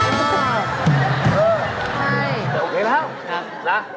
ใช่แต่โอเคครับแล้ว